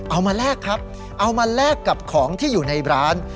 แลกครับเอามาแลกกับของที่อยู่ในร้าน